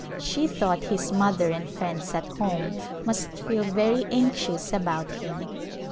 She thought his mother and friends at home must feel very anxious about him.